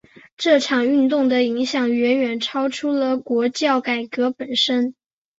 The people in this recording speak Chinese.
这场运动的影响远远超出了国教改革本身。